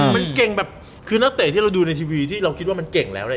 มันเก่งแบบคือนักเตะที่เราดูในทีวีที่เราคิดว่ามันเก่งแล้วเนี่ย